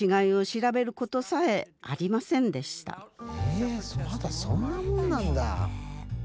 えまだそんなもんなんだ。